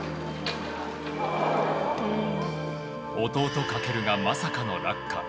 弟・翔がまさかの落下。